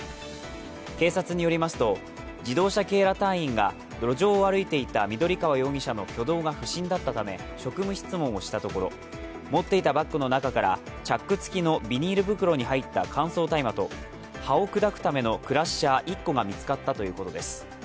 警察によりますと、自動車警ら隊員が路上を歩いていた緑川容疑者の挙動が不審だったため、職務質問をしたところ持っていたバッグの中からチャック付きのビニール袋に入った乾燥大麻と葉を砕くためのクラッシャー１個が見つかったということです。